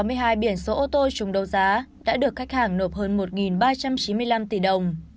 hai biển số ô tô chung đấu giá đã được khách hàng nộp hơn một ba trăm chín mươi năm tỷ đồng